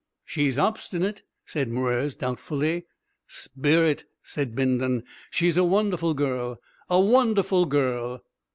"She's obstinate," said Mwres doubtfully. "Spirit!" said Bindon. "She's a wonderful girl a wonderful girl!"